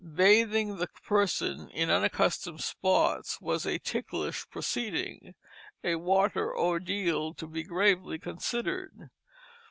Bathing the person in unaccustomed spots was a ticklish proceeding a water ordeal, to be gravely considered.